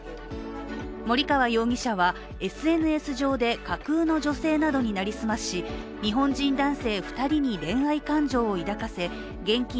森川容疑者はＳＮＳ上で架空の女性などに成り済まし日本人男性２人に恋愛感情を抱かせ現金